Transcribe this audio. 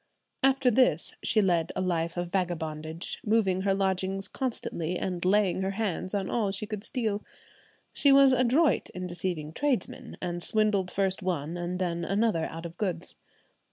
After this she led a life of vagabondage, moving her lodgings constantly, and laying her hands on all she could steal. She was adroit in deceiving tradesmen, and swindled first one and then another out of goods.